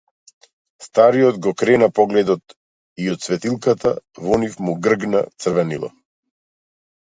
Стариот го крена погледот и од светилката во нив му гргна црвенило.